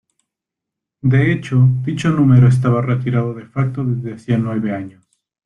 De hecho, dicho número estaba retirado "de facto" desde hacía nueve años.